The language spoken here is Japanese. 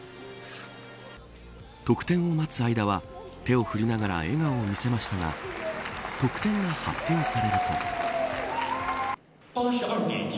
得点を待つ間は手を振りながら笑顔を見せましたが得点が発表されると。